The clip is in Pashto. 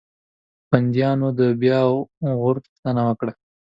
بنديانو د بیا غور غوښتنه وکړه.